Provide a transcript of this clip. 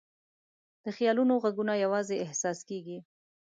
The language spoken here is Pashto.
د خیالونو ږغونه یواځې احساس کېږي.